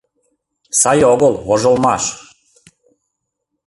Сай огыл, вожылмаш!